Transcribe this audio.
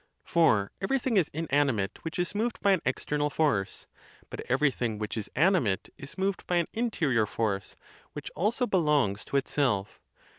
For everything is inanimate which is moved by an external force; but everything which is animate is moved by an interior force, which also belongs to itself.